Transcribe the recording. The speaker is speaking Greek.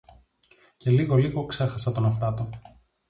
Και λίγο λίγο ξέχασα τον Αφράτο